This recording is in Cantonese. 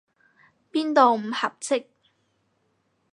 邊度唔合適？